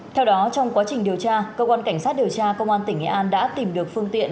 theo đó trong quá trình điều tra cơ quan cảnh sát điều tra công an tỉnh nghệ an đã tìm được phương tiện